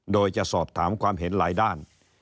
โดยจะสอบถามความเห็นหลายด้าน